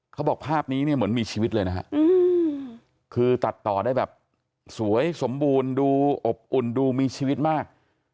เขาบอกภาพนี้เนี่ยเหมือนมีชีวิตเลยนะฮะคือตัดต่อได้แบบสวยสมบูรณ์ดูอบอุ่นดูมีชีวิตมาก